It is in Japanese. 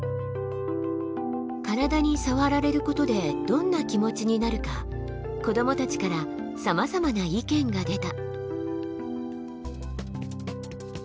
体に触られることでどんな気持ちになるか子どもたちからさまざまな意見が出た。